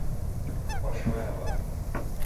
Kwashoa ya wandu